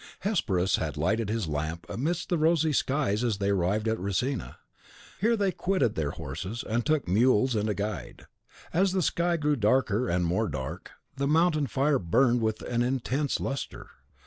Hesperus had lighted his lamp amidst the rosy skies as they arrived at Resina. Here they quitted their horses, and took mules and a guide. As the sky grew darker and more dark, the mountain fire burned with an intense lustre.